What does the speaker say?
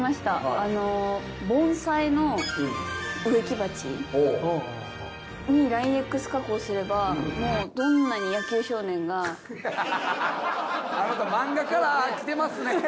あの盆栽の植木鉢にＬＩＮＥ−Ｘ加工すればもうどんなに野球少年があなた漫画からきてますね